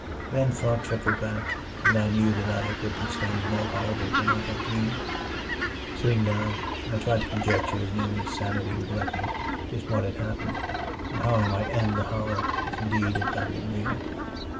Then thought trickled back, and I knew that I had witnessed things more horrible than I had dreamed. Sitting down, I tried to conjecture as nearly as sanity would let me just what had happened, and how I might end the horror, if indeed it had been real.